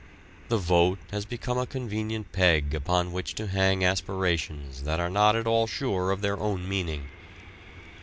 The vote has become a convenient peg upon which to hang aspirations that are not at all sure of their own meaning.